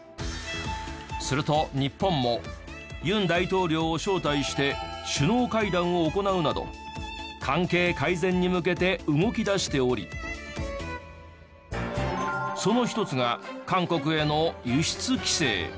すると日本も尹大統領を招待して首脳会談を行うなど関係改善に向けて動き出しておりその一つが韓国への輸出規制。